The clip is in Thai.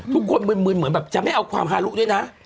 มึนเหมือนแบบจะไม่เอาความฮารุด้วยนะ